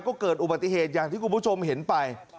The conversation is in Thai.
ก็เกิดอุบัติเหตุอย่างที่คุณผู้ชมเห็นไป